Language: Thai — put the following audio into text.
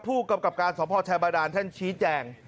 ผู้กำกับการสพชายบาดานท่านชี้แจง